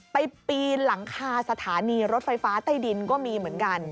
ปีนหลังคาสถานีรถไฟฟ้าใต้ดินก็มีเหมือนกัน